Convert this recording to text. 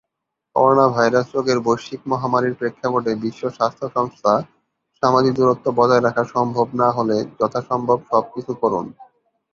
Coronavirus রোগের বৈশ্বিক মহামারীর প্রেক্ষাপটে বিশ্ব স্বাস্থ্য সংস্থা সামাজিক দূরত্ব বজায় রাখা সম্ভব না হলে "যথাসম্ভব সব কিছু করুন!"